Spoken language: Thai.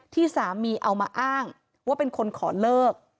ที่สามีเอามาอ้างว่าเป็นคนขอเลิก